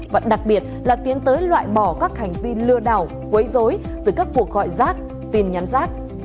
và đặc biệt là tiến tới loại bỏ các hành vi lừa đảo quấy dối từ các cuộc gọi rác tin nhắn rác